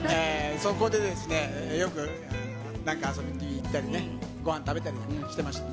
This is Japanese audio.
そこで、よくなんか遊びに行ったりね、ごはん食べたりしてました。